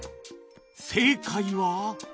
正解は